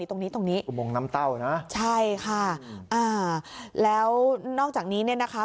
ตรงนี้ตรงนี้อุโมงน้ำเต้านะใช่ค่ะอ่าแล้วนอกจากนี้เนี่ยนะคะ